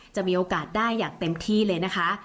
จะมีโอกาสได้อย่างเต็มที่เลยนะคะ